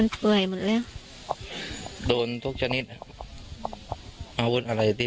เนื้อสนิททองมันจะไม่เห็นถึงไส้นะ